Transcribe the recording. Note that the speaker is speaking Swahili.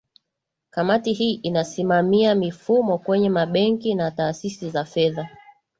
kamati hii inasimamia mifumo kwenye mabenki na taasisi za fedha